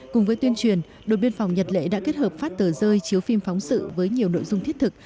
cùng với tuyên truyền đồn biên phòng nhật lệ đã kết hợp phát tờ rơi chiếu phim phóng sự với nhiều nội dung thiết thực